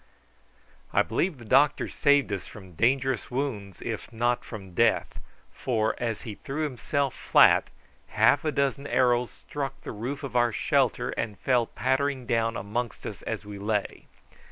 I believe the doctor saved us from dangerous wounds, if not from death, for, as he threw himself flat, half a dozen arrows struck the roof of our shelter, and fell pattering down amongst us as we lay.